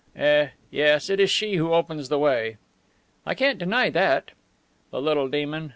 "Eh, yes, it is she who opens the way." "I can't deny that." "The little demon!